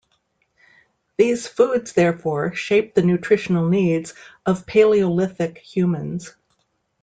These foods therefore shaped the nutritional needs of Paleolithic humans.